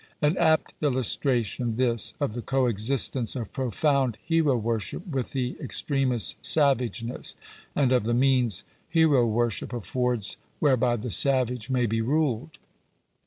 An apt illustration, this, of the co existence of profound hero wor ship with the extremest savageness, and of the means hero worship affords whereby the savage may be ruled.